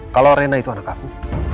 kalau rena itu anak kamu